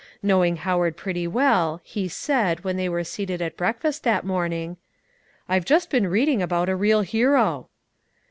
Knowing Howard pretty well, he said, when they were seated at breakfast that morning, "I've just been reading about a real hero."